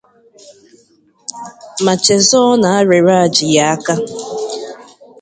ma chezọọ na arịrịa ji ya aka